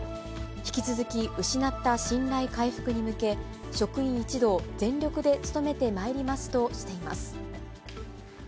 引き続き失った信頼回復に向け、職員一同、全力で努めてまいりますとしています。